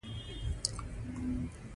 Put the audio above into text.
کوږ عمل تل ناسم عواقب لري